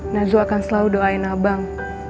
nazu akan selalu doain abang